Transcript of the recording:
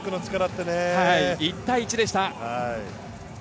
１対１でした。